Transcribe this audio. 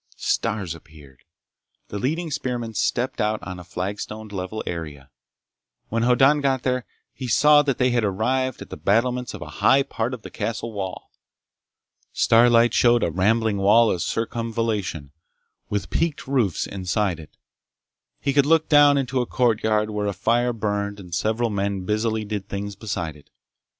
Stars appeared. The leading spearmen stepped out on a flagstoned level area. When Hoddan got there he saw that they had arrived at the battlements of a high part of the castle wall. Starlight showed a rambling wall of circumvallation, with peaked roofs inside it. He could look down into a courtyard where a fire burned and several men busily did things beside it.